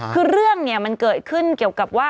คือเรื่องเนี่ยมันเกิดขึ้นเกี่ยวกับว่า